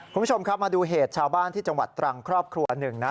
คุณผู้ชมครับมาดูเหตุชาวบ้านที่จังหวัดตรังครอบครัวหนึ่งนะ